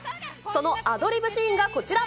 そのアドリブシーンがこちら。